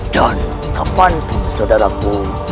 dan kepan pun saudaraku